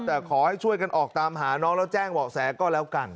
แต่ขอให้ช่วยกันออกตามหาน้องแล้วแจ้งเบาะแสก็แล้วกัน